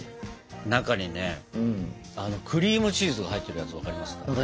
中にねクリームチーズが入ってるやつわかりますか？